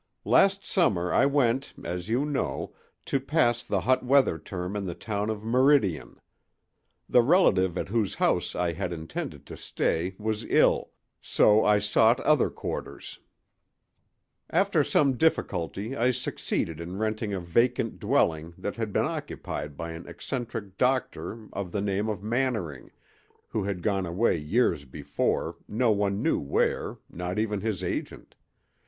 "Last summer I went, as you know, to pass the hot weather term in the town of Meridian. The relative at whose house I had intended to stay was ill, so I sought other quarters. After some difficulty I succeeded in renting a vacant dwelling that had been occupied by an eccentric doctor of the name of Mannering, who had gone away years before, no one knew where, not even his agent.